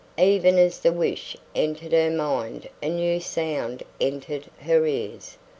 Even as the wish entered her mind a new sound entered her ears.